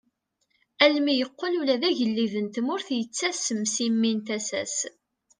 Armi yeqqel ula d agellid n tmurt yettasem si mmi n tasa-s.